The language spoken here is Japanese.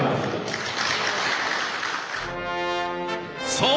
そう！